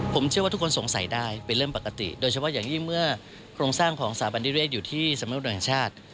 ผมเชื่อว่าทุกคนสงสัยได้เป็นเรื่องปกติโดยเฉพาะอย่างยิ่งเมื่อโครงสร้างของสถาบันนิเศษอยู่ที่สำนักโดยแห่งชาติ